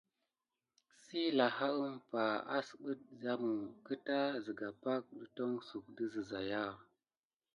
Sey lahaa umpa, asɓet zamə kəta zega pake dətonsuk də zəzaya.